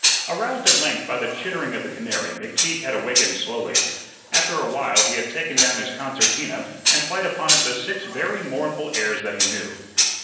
Aroused at length by the chittering of the canary, McTeague had awakened slowly. After a while he had taken down his concertina and played upon it the six very mournful airs that he knew.